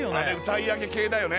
歌い上げ系だよね